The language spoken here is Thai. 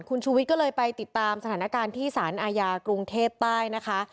คุณชูวิทย์ก็เลยไปติดตามสถานการณ์ที่สารอาญากรุงเทพใต้นะคะ